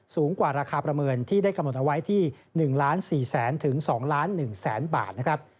สูงกว่าราคาประเมินที่ได้กำหนดเอาไว้ที่๑๔๐๐๐๒ล้าน๑แสนบาทนะครับ